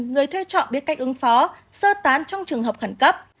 người thuê chọn biết cách ứng phó sơ tán trong trường hợp khẩn cấp